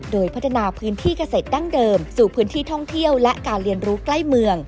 โดยพัฒนาพื้นที่เกษตรดั้งเดิมสู่พื้นที่ท่องเที่ยวและการเรียนรู้ใกล้เมือง